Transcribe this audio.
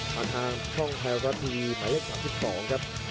มาทางช่องไทยโอประทีหมายเลขกับที่สองครับ